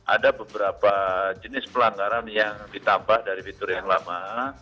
ada beberapa jenis pelanggaran yang ditambah dari fitur yang lama